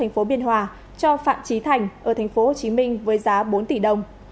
về hành ở tp hcm với giá bốn tỷ đồng